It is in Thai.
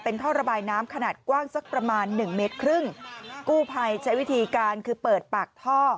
ท่อระบายน้ำขนาดกว้างสักประมาณหนึ่งเมตรครึ่งกู้ภัยใช้วิธีการคือเปิดปากท่อ